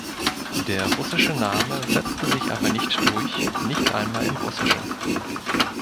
Der russische Name setzte sich aber nicht durch, nicht einmal im Russischen.